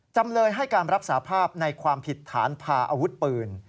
จำเลยให้การรับสาภาพในความผิดฐานพาอาวุธปืน